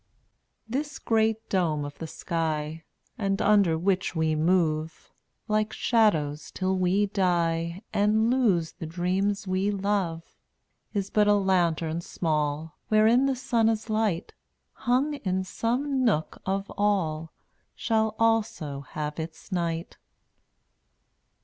230 This great dome of the sky, And under which we move Like shadows till we die And lose the dreams we love, Is but a lantern small, Wherein the sun is light, Hung in some nook of All Shall also have its night.